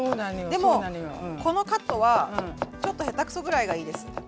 でもこのカットはちょっと下手くそぐらいがいいです。